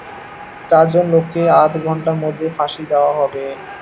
চারজন লোককে আধ ঘণ্টার মধ্যে ফাঁসি দেওয়া হবে।